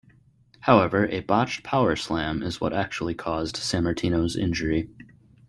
However, a botched powerslam is what actually caused Sammartino's injury.